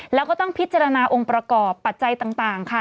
แล้วก็ต้องพิจารณาองค์ประกอบปัจจัยต่างค่ะ